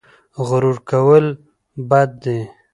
غرور کول بد دي